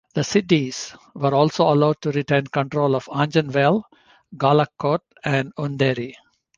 The Siddis were also allowed to retain control of Anjanvel, Gowalkot and Underi.